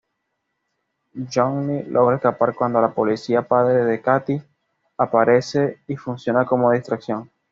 Johnny logra escapar cuando el policía, padre de Kathie, aparece y funciona como distracción.